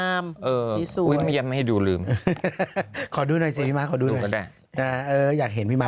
อะไรแต่งหลายรอบ